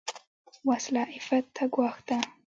وسله عفت ته ګواښ ده